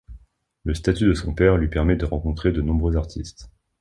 Le statut de son père lui permet de rencontrer de nombreux artistes.